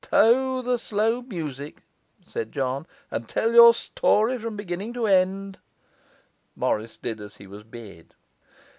'Stow the slow music,' said John, 'and tell your story from beginning to end.' Morris did as he was bid.